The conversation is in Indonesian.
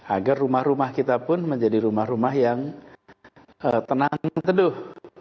agar rumah rumah kita pun menjadi rumah rumah yang tenang teduh